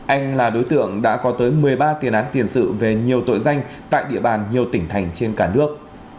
anh là đối tượng đã có tới một mươi ba tiền án tiền sự về nhiều tội danh tại địa bàn nhiều tỉnh thành trên cả nước